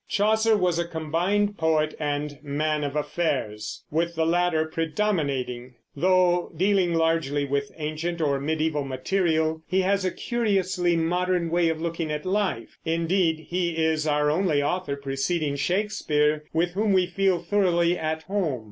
Chaucer was a combined poet and man of affairs, with the latter predominating. Though dealing largely with ancient or mediæval material, he has a curiously modern way of looking at life. Indeed, he is our only author preceding Shakespeare with whom we feel thoroughly at home.